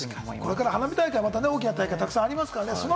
これから花火大会、大きな大会がまだありますからね。